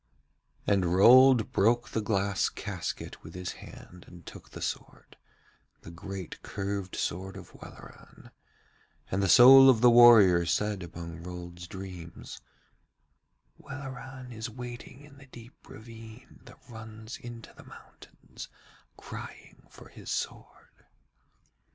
And Rold broke the glass casket with his hand and took the sword, the great curved sword of Welleran; and the soul of the warrior said among Rold's dreams: 'Welleran is waiting in the deep ravine that runs into the mountains, crying for his sword.'